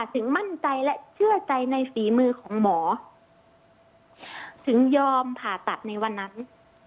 ถึงมั่นใจและเชื่อใจในฝีมือของหมอถึงยอมผ่าตัดในวันนั้น